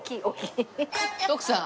徳さん